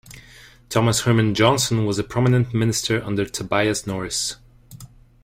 Thomas Herman Johnson was a prominent minister under Tobias Norris.